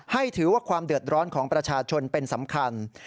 ให้ถือว่าความเดือดร้อนของประชาชนเป็นสำคัญ